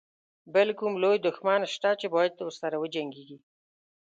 بل کوم لوی دښمن شته چې باید ورسره وجنګيږي.